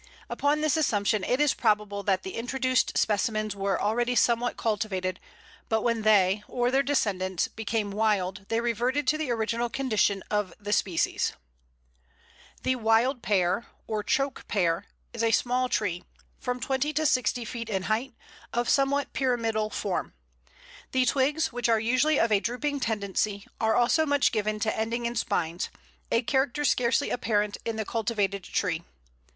Upon this assumption it is probable that the introduced specimens were already somewhat cultivated, but when they (or their descendants) became wild they reverted to the original condition of the species. [Illustration: Wild Pear. A, flower.] The Wild Pear, or Choke pear, is a small tree, from twenty to sixty feet in height, of somewhat pyramidal form. The twigs, which are usually of a drooping tendency, are also much given to ending in spines a character scarcely apparent in the cultivated tree.